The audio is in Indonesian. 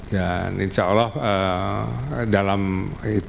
dan insya allah dalam hitungannya